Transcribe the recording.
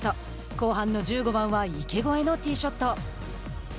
後半の１５番は池越えのティーショット。